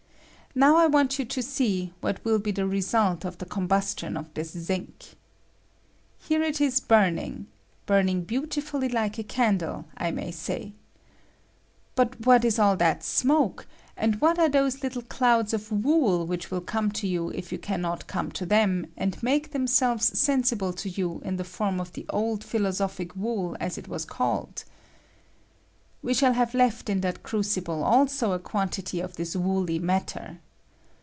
Now I want you to see what will be the result of the combustion of this zinc. Here it is burning — burning beautifully like a candle, I may say. But what is all that smote, and what are those little clouds of wool which will come to you if you can not come to them, and make them selves sensible to you in the form of the old ' philosophic wool, as it was called? We shall have left in that crucible, also, a quantity of this wooUy matter.